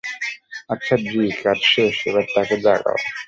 আচ্ছা, যী, কাজ শেষ, এবার তাকে জাগাও।